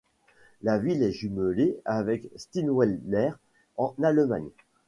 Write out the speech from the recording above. La ville est jumelée avec Steinweiler en Allemagne.